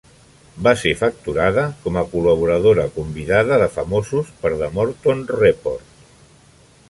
Va ser facturada com a "col·laboradora convidada de famosos" per "The Morton Report".